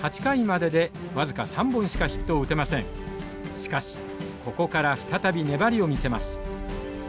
しかしここから再び粘りを見せます。